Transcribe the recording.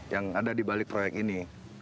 yang ada di balik proyek ini